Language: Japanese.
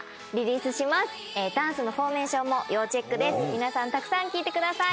皆さんたくさん聴いてください。